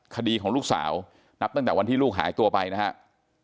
คดีของลูกสาวนับตั้งแต่วันที่ลูกหายตัวไปนะครับ